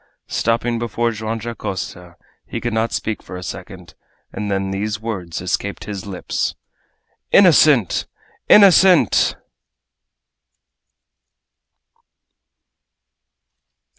Stopping before Joam Dacosta, he could not speak for a second, and then these words escaped his lips: "Innocent! Innocent!"